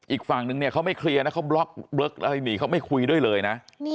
อีกฟังนึงเนี่ยก็ไม่คุยด้วยเลยนะ